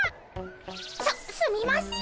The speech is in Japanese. すすみません。